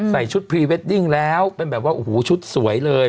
ใส่ชุดพรีเวดดิ้งแล้วเป็นแบบว่าโอ้โหชุดสวยเลย